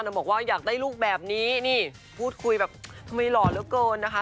บอกว่าอยากได้ลูกแบบนี้นี่พูดคุยแบบทำไมหล่อเหลือเกินนะคะ